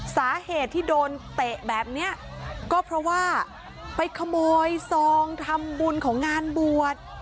สาเหตุที่โดนเตะแบบนี้ก็เพราะว่าไปขโมยซองทำบุญของงานบวช